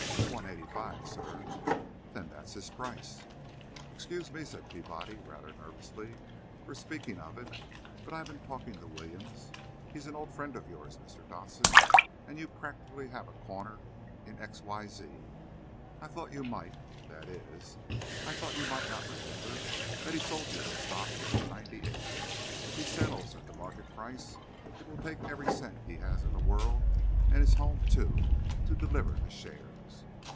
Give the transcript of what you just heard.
"One eighty five, sir." "Then that's his price." "Excuse me," said Peabody, rather nervously "for speaking of it, but I've been talking to Williams. He's an old friend of yours, Mr. Dodson, and you practically have a corner in X. Y. Z. I thought you might—that is, I thought you might not remember that he sold you the stock at 98. If he settles at the market price it will take every cent he has in the world and his home too to deliver the shares."